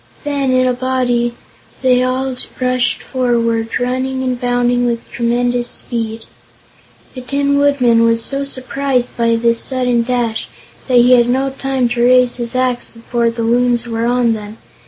Then, in a body, they all rushed forward, running and bounding with tremendous speed. The Tin Woodman was so surprised by this sudden dash that he had no time to raise his axe before the Loons were on them.